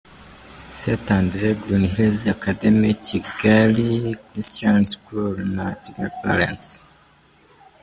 S St Andre, Green Hills Academy, Kigali Christian School na P.